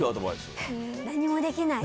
何もできない。